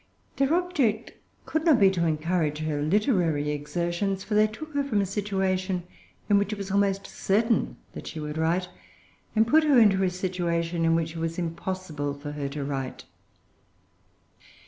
Their object could not be to encourage her literary exertions; for they took her from a situation in which it was almost certain that she would write, and put her into a situation in which it was impossible for her to write.